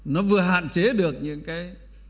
nó vừa hạn chế được những cái